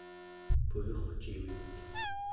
puyurcivik